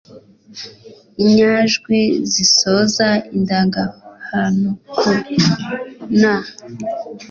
inyajwi zisoza indangahantu ku na